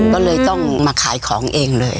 ก็เลยต้องมาขายของเองเลย